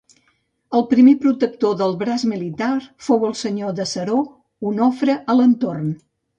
El primer Protector del braç militar fou el senyor de Seró Onofre d'Alentorn.